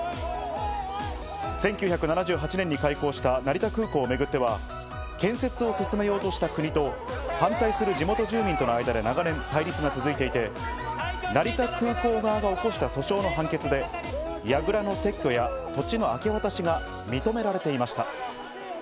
１９７８年に開港した成田空港めぐっては、建設を進めようとした国と反対する地元住民との間で長年、対立が続いていて、成田空港側が起こした訴訟の判決で、やぐらの撤去や土地の明け渡しが認められていました。